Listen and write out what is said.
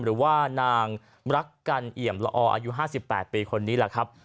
หรือว่านางรักกันเอี่ยมละออายุ๕๘ปีคนนี้แหละครับ